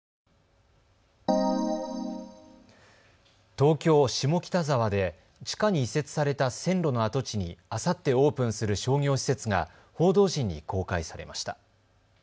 東京下北沢で地下に移設された線路の跡地にあさってオープンする商業施設が報道陣に公開されました。